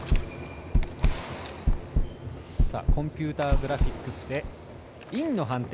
コンピューターグラフィックスでインの判定。